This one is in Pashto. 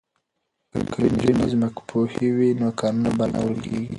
که نجونې ځمکپوهې وي نو کانونه به نه ورکیږي.